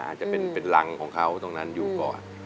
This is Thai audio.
อาจจะเป็นรังของเขาตรงนั้นอยู่ก่อน